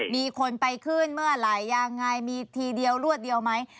มีคนไปขึ้นเมื่อไหร่ยังไงมีทีเดียวรวดเดียวไหม